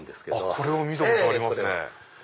これは見たことあります。